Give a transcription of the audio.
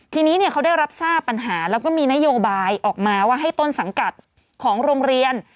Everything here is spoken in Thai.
ทีนี้เขาได้รับทราบปัญหาแล้วก็มีนโยบายออกมาว่าให้ต้นสังกัดของโรงเรียน